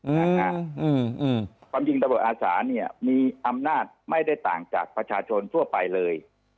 ความจริงตำรวจอาสาเนี่ยมีอำนาจไม่ได้ต่างจากประชาชนทั่วไปเลย